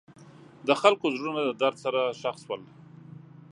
د خلکو زړونه د درد سره ښخ شول.